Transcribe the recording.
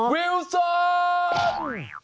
วิลสอน